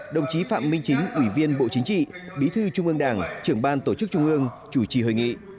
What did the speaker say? đồng chí phạm minh chính ủy viên bộ chính trị bí thư trung ương đảng trưởng ban tổ chức trung ương chủ trì hội nghị